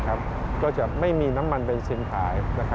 ก็จะไม่มีน้ำมันเบนซินขาย